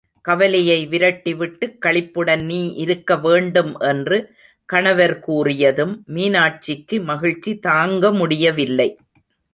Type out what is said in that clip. கவலையை விரட்டி விட்டு, களிப்புடன் நீ இருக்க வேண்டும் என்று கணவர் கூறியதும், மீனாட்சிக்கு மகிழ்ச்சி தாங்க முடியவில்லை.